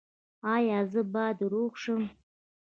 ایا زه باید روغ شم؟